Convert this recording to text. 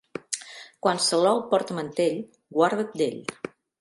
Quan Salou porta mantell, guarda't d'ell.